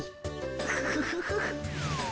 フフフフ。